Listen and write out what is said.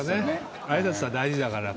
挨拶は大事だから。